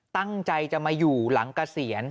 ตั้งใจจะมาอยู่หลังเกษียณ